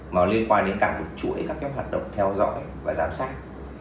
mà liên quan đến cả một chuỗi các hoạt động theo dõi và giám sát